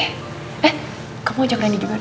eh kamu ajak randy juga